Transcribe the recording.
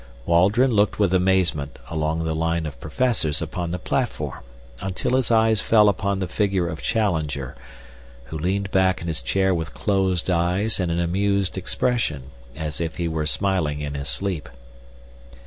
Waldron looked with amazement along the line of professors upon the platform until his eyes fell upon the figure of Challenger, who leaned back in his chair with closed eyes and an amused expression, as if he were smiling in his sleep.